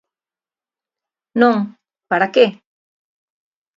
Non, ¿para que?